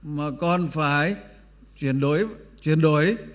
mà còn phải chuyển đổi